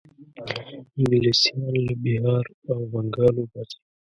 انګلیسیان له بیهار او بنګال وباسي.